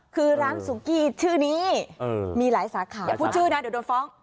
คือร้านซุกี้ชื่อนี้มีหลายสาขาอย่าพูดชื่อนะเดี๋ยวโดนฟ้อง